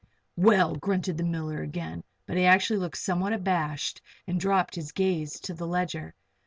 "Well!" grunted the miller again, but he actually looked somewhat abashed and dropped his gaze to the ledger.